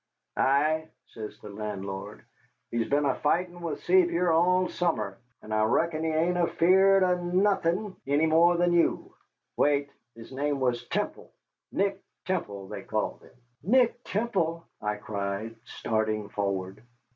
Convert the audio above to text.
"Ay," says the landlord; "he's been a fightin with Sevier all summer, and I reckon he ain't afeard of nothin' any more than you. Wait his name was Temple Nick Temple, they called him." "Nick Temple!" I cried, starting forward.